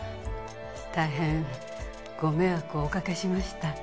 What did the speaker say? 大変ご迷惑をおかけしました